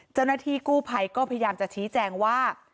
เจ้าหน้าที่กู้ภัยก็พยายามจะชี้แจงว่า